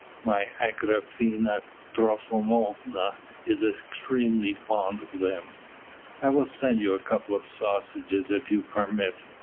My Agrafena Trofimovna is extremely fond of them." "I will send you a couple of sausages if you permit."